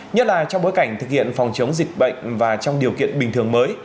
nhất là trong bối cảnh thực hiện phòng chống dịch bệnh và trong điều kiện bình thường mới